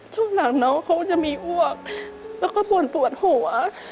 ช่วงหลังน้องเขาจะมีอ้วกแล้วก็ปวดหัว